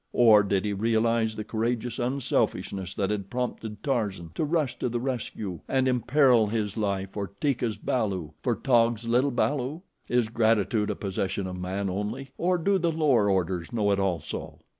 Or did he realize the courageous unselfishness that had prompted Tarzan to rush to the rescue and imperil his life for Teeka's balu for Taug's little balu? Is gratitude a possession of man only, or do the lower orders know it also?